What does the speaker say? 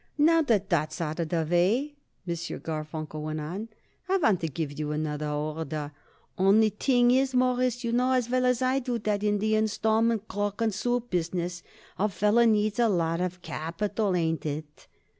"Now that that's out of the way," M. Garfunkel went on, "I want to give you another order. Only thing is, Mawruss, you know as well as I do that in the installment cloak and suit business a feller needs a lot of capital. Ain't it?"